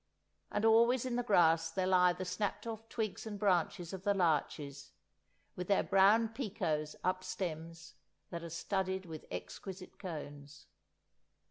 And always in the grass there lie the snapped off twigs and branches of the larches, with their brown picots up stems that are studded with exquisite cones.